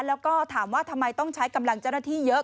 แล้วก็ถามว่าทำไมต้องใช้กำลังเจ้าหน้าที่เยอะ